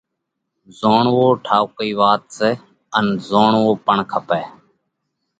زوڻوو ٺائُوڪئي وات سئہ ان زوڻوو پڻ کپئہ۔